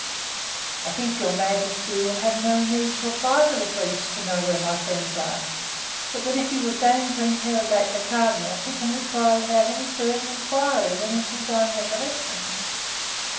"I think your majesty will have no need to apply to the police to know where my friends are, but that if you will deign to interrogate the cardinal he can reply without any further inquiry than into his own recollections."